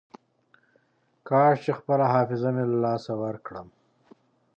کاش چې خپله حافظه مې له لاسه ورکړم.